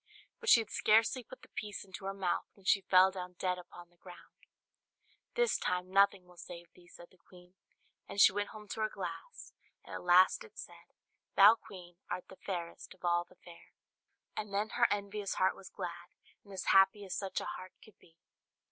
But she had scarcely put the piece into her mouth, when she fell down dead upon the ground. "This time nothing will save thee," said the queen; and she went home to her glass, and at last it said, "Thou, Queen, art the fairest of all the fair." And then her envious heart was glad, and as happy as such a heart could be.